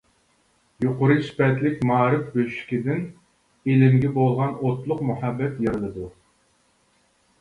يۇقىرى سۈپەتلىك مائارىپ بۆشۈكىدىن ئىلىمگە بولغان ئوتلۇق مۇھەببەت يارىلىدۇ.